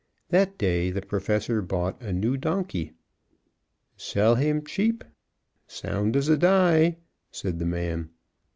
That day the Professor bought a new donkey. "Sell him cheap, sound as a dye," said the man.